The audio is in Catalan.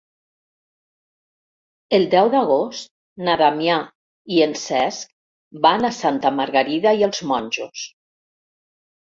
El deu d'agost na Damià i en Cesc van a Santa Margarida i els Monjos.